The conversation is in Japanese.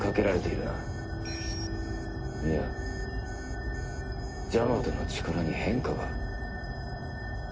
いやジャマトの力に変化が？